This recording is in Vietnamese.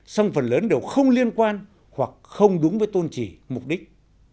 song phần lớn đều không liên quan hoặc không đúng với tôn trì mục đích